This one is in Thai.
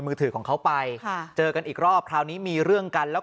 มือถือของเขาไปค่ะเจอกันอีกรอบคราวนี้มีเรื่องกันแล้ว